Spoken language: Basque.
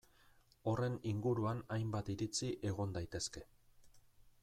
Horren inguruan hainbat iritzi egon daitezke.